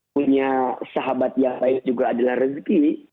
punya sahabat yang baik juga adalah rezeki